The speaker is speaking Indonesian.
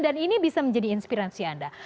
dan ini bisa menjadi inspirasi anda